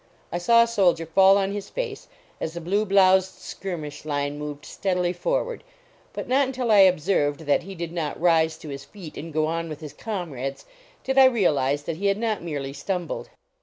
I saw a soldier fall on his face, as the blue bloused skirmish line moved steadily forward, but not until I observed that he did not rise to his feet and go on with his comrades did I realize that he had not merely stumbled.